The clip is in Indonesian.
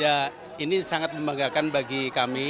ya ini sangat membanggakan bagi kami